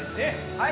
はい。